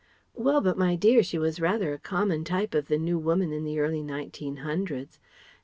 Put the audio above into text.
"Well, but my dear, she was rather a common type of the New Woman in the early nineteen hundreds."